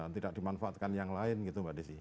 tidak dimanfaatkan yang lain gitu mbak desi